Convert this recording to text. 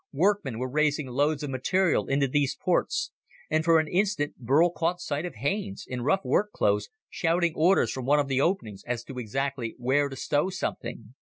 Workmen were raising loads of material into these ports, and for an instant Burl caught sight of Haines, in rough work clothes, shouting orders from one of the openings as to exactly where to stow something.